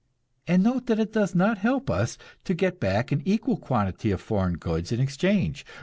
And note that it does not help us to get back an equal quantity of foreign goods in exchange.